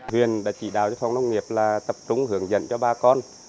huyện đã chỉ đạo cho phòng nông nghiệp là tập trung hưởng dẫn cho ba con